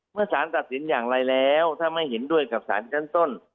สารตัดสินอย่างไรแล้วถ้าไม่เห็นด้วยกับสารชั้นต้น